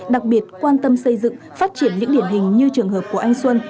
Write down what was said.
đặc biệt quan tâm xây dựng phát triển những điển hình như trường hợp của anh xuân